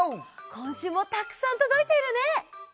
こんしゅうもたくさんとどいているね！